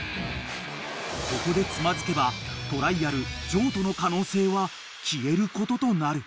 ［ここでつまずけばトライアル譲渡の可能性は消えることとなる］